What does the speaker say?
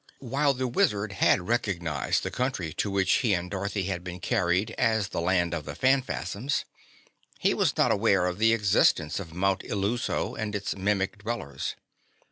While the Wizard had recognized the country to which he and Dorothy had been carried as the Land of the Phanfasms, he was not aware of the existence of Mount Illuso and its Mimic dwellers.